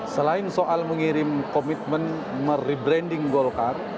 selain soal mengirim komitmen merebranding golkar